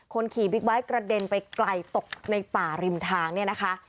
ขี่บิ๊กไบท์กระเด็นไปไกลตกในป่าริมทางเนี่ยนะคะ